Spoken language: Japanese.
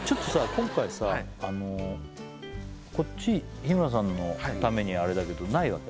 今回さあのこっち日村さんのためにあれだけどないわけ？